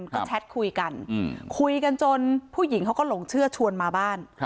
ก็แชทคุยกันคุยกันจนผู้หญิงเขาก็หลงเชื่อชวนมาบ้าน